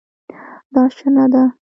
دا شنه ده